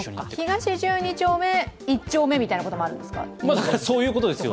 東十二丁目１丁目みたいなこともあるんですか。